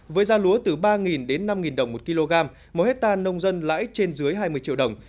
với da lúa từ ba năm đồng một kg một hectare nông dân lãi trên dưới hai mươi triệu đồng